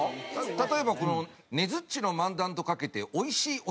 例えばこの「ねづっちの漫談とかけておいしいお寿司ととく」。